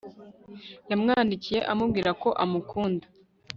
yamwandikiye amubwira ko amukunda